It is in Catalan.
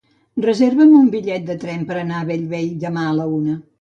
Reserva'm un bitllet de tren per anar a Bellvei demà a la una.